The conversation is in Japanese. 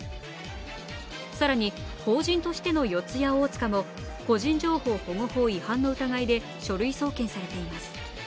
更に、法人としての四谷大塚も、個人情報保護法違反の疑いで書類送検されています。